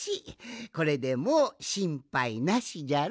これでもうしんぱいなしじゃろ？